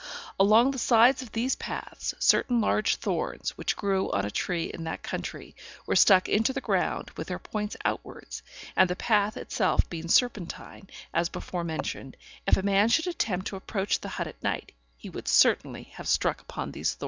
Along the sides of these paths, certain large thorns, which grew on a tree in that country, were stuck into the ground with their points outwards; and the path itself being serpentine, as before mentioned, if a man should attempt to approach the hut at night, he would certainly have struck upon these thorns.